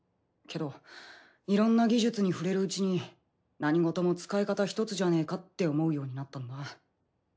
けどいろんな技術に触れるうちに何事も使い方一つじゃねえかって思うようになったんだ。